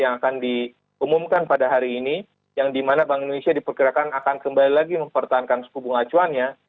yang akan diumumkan pada hari ini yang dimana bank indonesia diperkirakan akan kembali lagi mempertahankan suku bunga acuannya